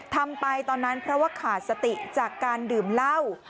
ทำไปตอนนั้นเพราะว่าขาดสติจากการดื่มเหล้า